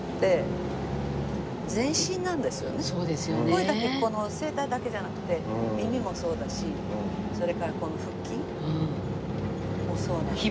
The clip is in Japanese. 声だけこの声帯だけじゃなくて耳もそうだしそれからこの腹筋もそうなので。